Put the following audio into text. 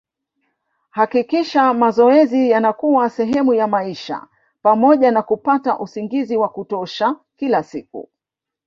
Hakikisha mazoezi yanakuwa sehemu ya maisha pamoja na kupata usingizi wa kutosha kila siku